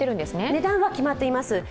値段は決まっています。